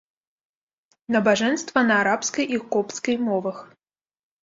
Набажэнства на арабскай і копцкай мовах.